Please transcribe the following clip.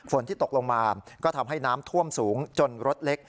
ที่ตกลงมาก็ทำให้น้ำท่วมสูงจนรถเล็ก